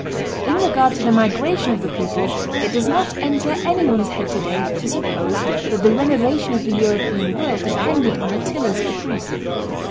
In regard to the migration of the peoples it does not enter anyone's head today to suppose that the renovation of the European world depended on Attila's caprice.